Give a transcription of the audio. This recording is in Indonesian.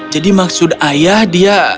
jadi maksud ayah dia